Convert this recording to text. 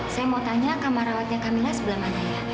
saya mau tanya kamar rawatnya kamila sebelah mana ya